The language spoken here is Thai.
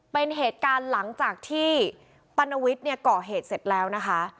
เป็นเหตุการณ์หลังจากที่ปรณวิทย์เนี่ยก่อเหตุเสร็จแล้วนะคะ